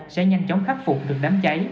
sẽ nhanh chóng khắc phục